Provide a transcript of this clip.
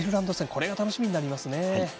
これが楽しみになります。